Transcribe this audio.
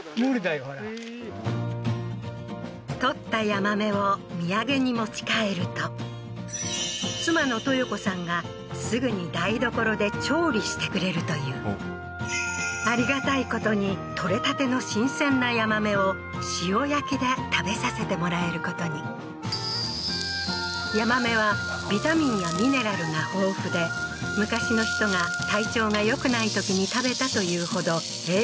取ったヤマメを土産に持ち帰ると妻のトヨ子さんがすぐに台所で調理してくれるというありがたいことに取れたての新鮮なヤマメを塩焼きで食べさせてもらえることにヤマメはビタミンやミネラルが豊富で昔の人が体調がよくないときに食べたというほど栄養豊富な川魚